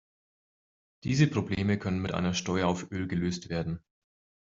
Diese Probleme können mit einer Steuer auf Öl gelöst werden.